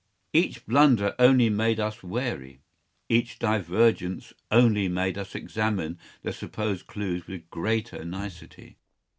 Each blunder only made us wary. Each divergence only made us examine the supposed clues with greater nicety.